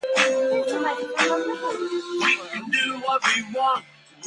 These devices are called wigglers or undulators.